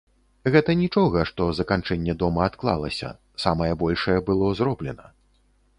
Гэта нічога, што заканчэнне дома адклалася, самае большае было зроблена.